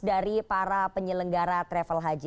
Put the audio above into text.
dari para penyelenggara travel haji